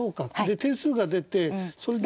点数が出てそれで。